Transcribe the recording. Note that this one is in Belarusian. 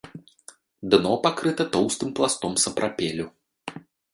Дно пакрыта тоўстым пластом сапрапелю.